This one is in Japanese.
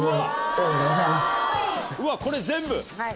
うわっこれ全部？